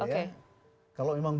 kalau memang itu adalah